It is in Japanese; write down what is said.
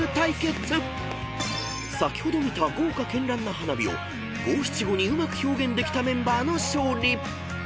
［先ほど見た豪華絢爛な花火を五・七・五にうまく表現できたメンバーの勝利］